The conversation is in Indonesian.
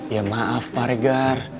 ya maaf pak regar